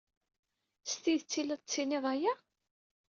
S tidet ay la d-tettinid aya?